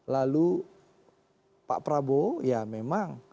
lalu pak prabowo ya memang